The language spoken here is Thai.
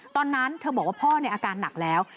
ตอนนั้นเธอบอกว่าพ่อในอาการหนักแล้ว